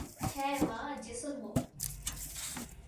হ্যাঁ, মা, জেসন মোপ